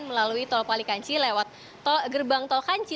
melalui tol palikanci lewat gerbang tol kanci